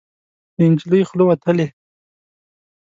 د نجلۍ خوله وتلې